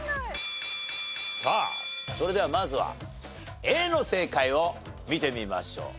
それではまずはＡの正解を見てみましょう。